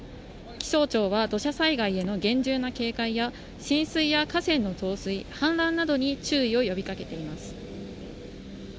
気象庁は土砂災害への厳重な警戒や浸水や河川の増水・氾濫などに注意を呼びかけています